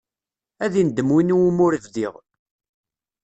Ad indem win iwumi ur idbiɣ.